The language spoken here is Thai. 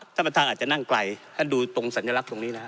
ท่านประธานอาจจะนั่งไกลถ้าดูตรงสัญลักษณ์ตรงนี้นะฮะ